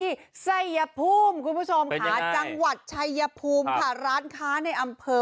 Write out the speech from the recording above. ไซยภูมิคุณผู้ชมค่ะจังหวัดชัยภูมิค่ะร้านค้าในอำเภอ